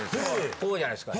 こうじゃないですか。